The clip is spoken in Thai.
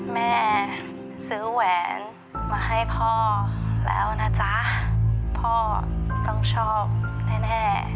แม่ซื้อแหวนมาให้พ่อแล้วนะจ๊ะพ่อต้องชอบแน่